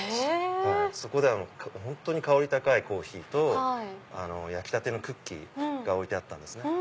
そこで本当に香り高いコーヒーと焼きたてのクッキーが置いてあったんですね。